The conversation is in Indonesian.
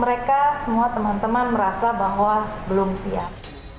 mereka semua teman teman merasa bahwa belum siap